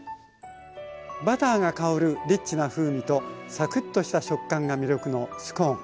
バターが香るリッチな風味とサクッとした食感が魅力のスコーン。